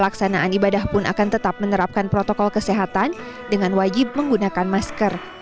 pelaksanaan ibadah pun akan tetap menerapkan protokol kesehatan dengan wajib menggunakan masker